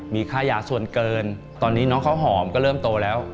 มีค่ายาส่วนเกินตอนนี้น้องข้าวหอมก็เริ่มโตแล้ว